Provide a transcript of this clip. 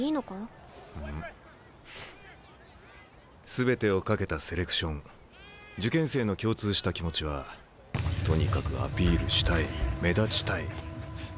全てを懸けたセレクション受験生の共通した気持ちは「とにかくアピールしたい」「目立ちたい」。